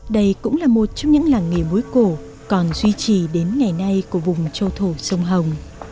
đây cũng là một trong những làng nghề muối cổ còn duy trì đến ngày nay của vùng châu thổ sông hồng